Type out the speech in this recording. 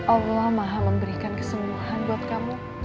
allah maha memberikan kesembuhan buat kamu